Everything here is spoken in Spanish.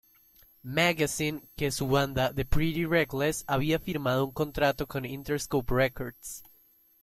Magazine" que su banda, The Pretty Reckless, había firmado un contrato con Interscope Records.